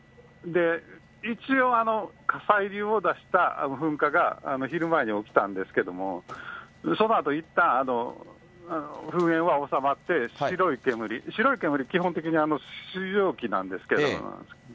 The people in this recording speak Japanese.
一応、火砕流を出した噴火が昼前に起きたんですけれども、そのあと、いったん噴煙は収まって、白い煙、白い煙、基本的に水蒸気なんですけれども。